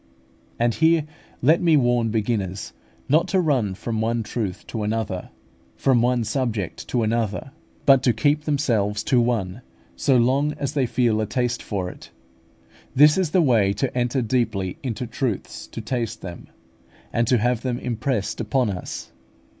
And here let me warn beginners not to run from one truth to another, from one subject to another; but to keep themselves to one so long as they feel a taste for it: this is the way to enter deeply into truths, to taste them, and to have them impressed upon us.